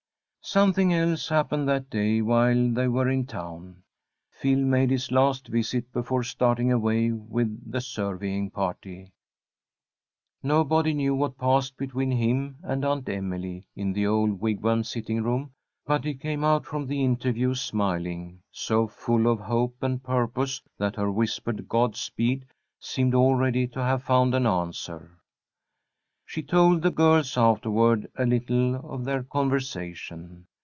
Something else happened that day while they were in town. Phil made his last visit before starting away with the surveying party. Nobody knew what passed between him and Aunt Emily in the old Wigwam sitting room, but he came out from the interview smiling, so full of hope and purpose that her whispered Godspeed seemed already to have found an answer. She told the girls afterward a little of their conversation.